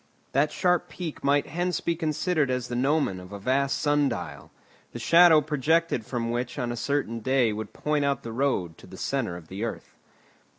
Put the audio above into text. That sharp peak might hence be considered as the gnomon of a vast sun dial, the shadow projected from which on a certain day would point out the road to the centre of the earth.